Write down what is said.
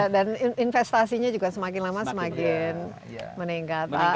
dan investasinya juga semakin lama semakin meningkat